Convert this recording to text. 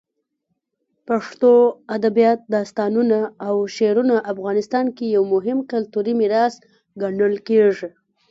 پښتو ادبیات، داستانونه، او شعرونه افغانستان کې یو مهم کلتوري میراث ګڼل کېږي.